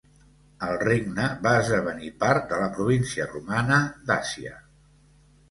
El regne va esdevenir part de la província romana d'Àsia.